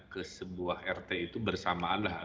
kesebuah rt itu bersamaanlah